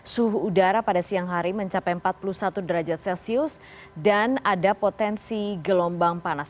suhu udara pada siang hari mencapai empat puluh satu derajat celcius dan ada potensi gelombang panas